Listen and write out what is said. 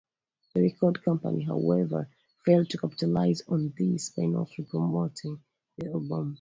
The record company however failed to capitalise on this by not repromoting the album.